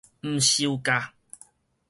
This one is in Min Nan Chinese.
毋受教